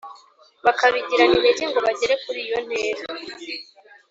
bakabigirana intege ngo bagere kuri iyo ntera